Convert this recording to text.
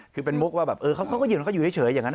คือเป็นมุกว่าเขาก็ยืนเขาอยู่เฉยอย่างนั้น